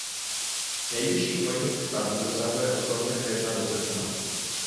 Nejvyšších vodních stavů dosahuje od konce května do srpna.